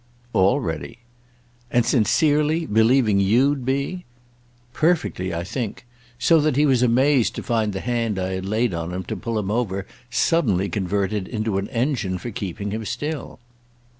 "All ready." "And sincerely—believing you'd be?" "Perfectly, I think; so that he was amazed to find the hand I had laid on him to pull him over suddenly converted into an engine for keeping him still."